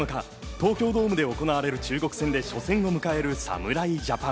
東京ドームで行われる中国戦で初戦を迎える侍ジャパン。